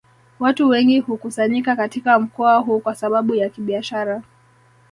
Watu wengi hukusanyika katika mkoa huu kwa sababu ya kibiashara